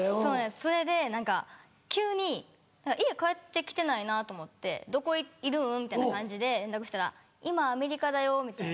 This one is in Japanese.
それで何か急に家帰って来てないなと思ってどこいるん？みたいな感じで連絡したら今アメリカだよみたいな。